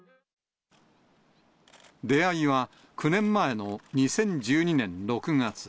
出会いは９年前の２０１２年６月。